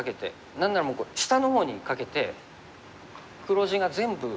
何なら下の方にかけて黒地が全部。